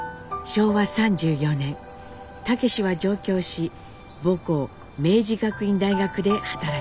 昭和３４年武は上京し母校明治学院大学で働き始めます。